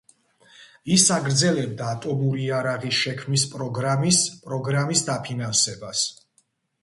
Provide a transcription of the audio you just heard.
ის აგრძელებდა ატომური იარაღის შექმნის პროგრამის პროგრამის დაფინანსებას.